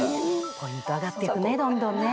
ポイント上がってくねどんどんね。